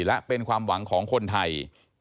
และเป็นความหวังของคนไทย